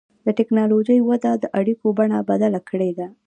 د ټکنالوجۍ وده د اړیکو بڼه بدله کړې ده.